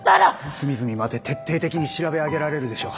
隅々まで徹底的に調べ上げられるでしょう。